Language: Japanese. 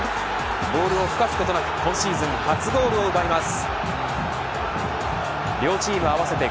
ボールをふかすことなく今シーズン初ゴールを奪います。